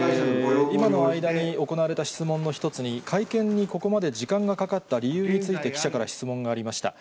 今の間に行われた質問の一つに、会見にここまで時間がかかった理由について、記者から質問がありました。